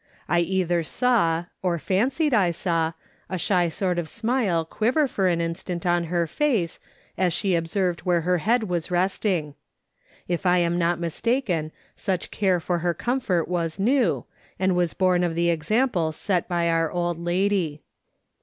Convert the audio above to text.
I either saw, or fancied I saw, a shy sort of smile quiver for an instant on her face, as she observed Mdiere her head was resting. If 1 am not mistaken, such care for her comfort was new, and was born of the example set by our old lady.